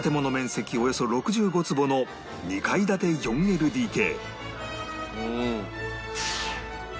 およそ６５坪の２階建て ４ＬＤＫ